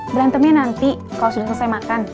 berantemnya nanti kalau sudah selesai makan